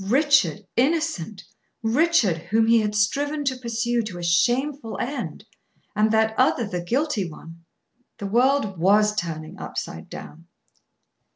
Richard innocent! Richard, whom he had striven to pursue to a shameful end! And that other the guilty one! The world was turning upside down.